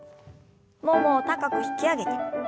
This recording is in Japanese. ももを高く引き上げて。